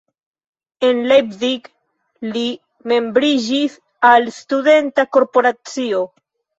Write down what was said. En Leipzig li membriĝis al studenta korporacio.